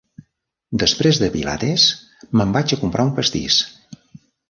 Després de pilates, me'n vaig a comprar un pastís.